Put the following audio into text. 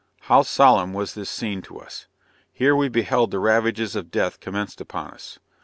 How solemn was this scene to us! Here we beheld the ravages of death commenced upon us.